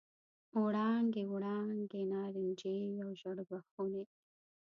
وړانګې، وړانګې نارنجي او ژړ بخونې،